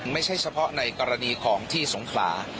ไม่ใช่เฉพาะในกรณีของที่สงขลา